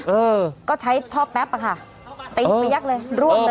เออก็ใช้ท่อแป๊บอะค่ะติดไปยักษ์เลยร่วงเลย